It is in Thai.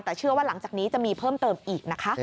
แต่เชื่อว่าหลังจากนี้จะมีเพิ่มเติมอีกนะคะ